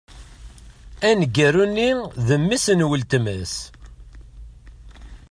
Aneggaru-nni d mmi-s n wletma-s.